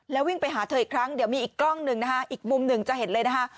แล้ววิ่งไปหาเธออีกครั้งเดี๋ยวมีอีกกล้องหนึ่งนะคะอีกมุมหนึ่งจะเห็นเลยนะคะ